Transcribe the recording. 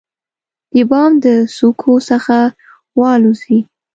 د بام د څوکو څخه والوزي،